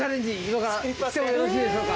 今からしてもよろしいでしょうか？